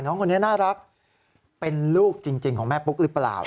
น้องคนนี้น่ารักเป็นลูกจริงของแม่ปุ๊กหรือเปล่า